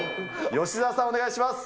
吉沢さん、お願いします。